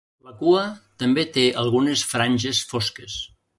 La cua també té algunes franges fosques.